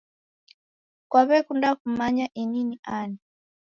Kwawekunda kumanya ini ni ani